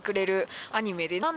アニメで。